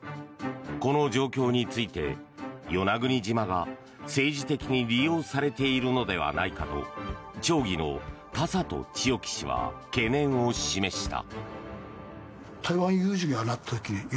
この状況について、与那国島が政治的に利用されているのではないかと町議の田里千代基氏は懸念を示した。